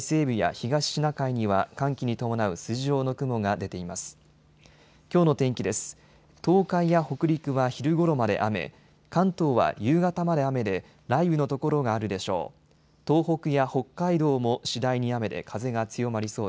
東海や北陸は昼ごろまで雨、関東は夕方まで雨で、雷雨の所があるでしょう。